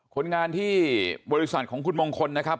คนงานที่บริษัทของคุณมงคลนะครับ